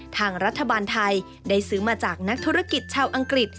ทางรัฐบาลไทยได้ซื้อมาจากนักธุรกิจชาวอังกฤษ